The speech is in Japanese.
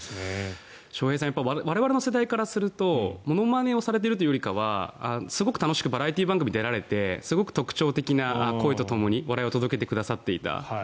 笑瓶さん、我々の世代からするとものまねをされているというよりはすごく楽しくバラエティー番組に出られて特徴的な声とともに笑いを届けてくださっていた。